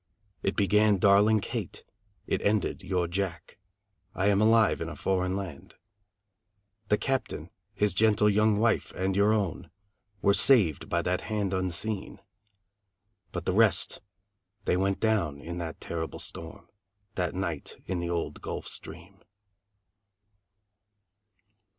It began Darling Kate, it ended Your Jack, I am alive in a foreign land. The Captain, his gentle young wife and your own Were saved by that hand unseen, But the rest they went down In that terrible storm That night in the old Gulf Stream.